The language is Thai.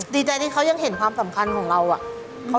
ดีใจที่เขายังเห็นความสำคัญของเราอะ